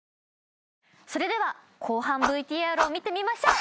それでは後半ＶＴＲを見てみましょう。